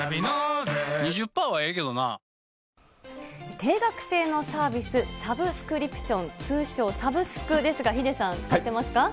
定額制のサービス、サブスクリプション、通称、サブスクですが、ヒデさん、使ってますか？